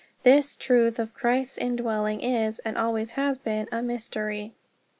This truth, of Christ's indwelling, is, and always has been, a mystery.